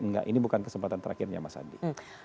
enggak ini bukan kesempatan terakhirnya mas andi